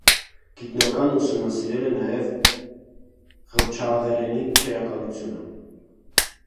Գիտնականը ուսումնասիրել է նաև ղփչաղերենի քերականությունը։